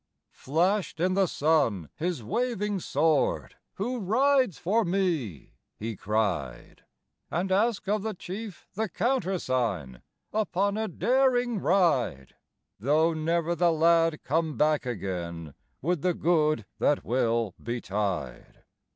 Flashed in the sun his waving sword; "Who rides for me?" he cried, "And ask of the Chief the countersign, Upon a daring ride; Though never the lad come back again With the good that will betide.